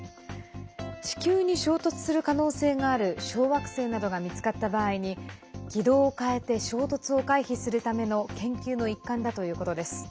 地球に衝突する可能性がある小惑星などが見つかった場合に軌道を変えて衝突を回避するための研究の一環だということです。